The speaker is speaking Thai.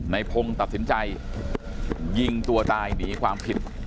ในพงศ์ตัดสินใจยิงตัวตายหนีความผิด